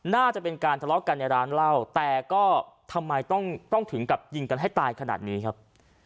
น่าจะเป็นการทะเลาะกันในร้านเหล้าแต่ก็ทำไมต้องถึงกับยิงกันให้ตายขนาดนี้ครับ